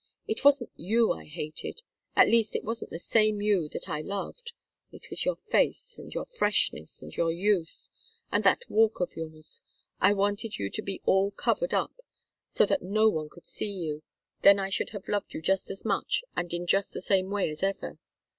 It wasn't you I hated at least it wasn't the same you that I loved. It was your face, and your freshness, and your youth and that walk of yours. I wanted you to be all covered up, so that no one could see you then I should have loved you just as much and in just the same way as ever.